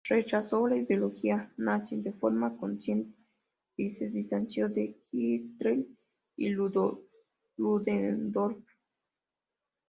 Rechazó la ideología nazi de forma consistente y se distanció de Hitler y Ludendorff.